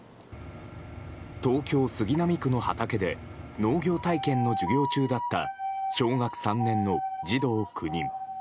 東京・杉並区の畑で農業体験の授業中だった小学３年の児童９人。